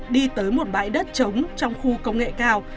đi tới một bãi đất trống trong khu công nghệ cao